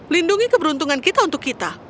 lindungi keberuntungan kita untuk kita